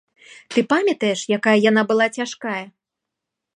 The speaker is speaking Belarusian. Ты памятаеш, якая яна была цяжкая?